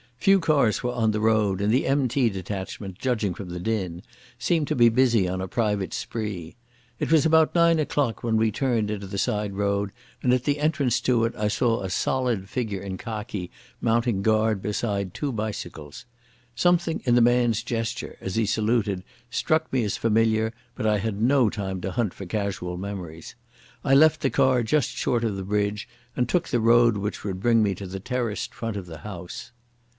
Few cars were on the road, and the M.T. detachment, judging from the din, seemed to be busy on a private spree. It was about nine o'clock when we turned into the side road, and at the entrance to it I saw a solid figure in khaki mounting guard beside two bicycles. Something in the man's gesture, as he saluted, struck me as familiar, but I had no time to hunt for casual memories. I left the car just short of the bridge, and took the road which would bring me to the terraced front of the house.